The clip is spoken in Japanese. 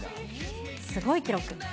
すごい記録。